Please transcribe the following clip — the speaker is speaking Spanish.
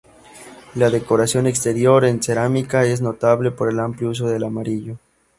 La decoración exterior, en cerámica, es notable por el amplio uso del amarillo.